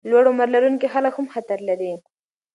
لوړ عمر لرونکي خلک هم خطر لري.